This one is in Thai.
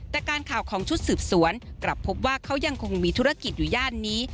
แต่การข่าวของชุดสืบสวนกลับพบว่าเขายังคงมีธุรกิจอยู่ย่านนี้